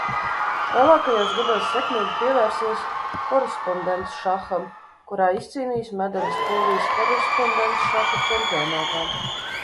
Vēlākajos gados sekmīgi pievērsies korespondencšaham, kurā izcīnījis medaļas Polijas korespondencšaha čempionātā.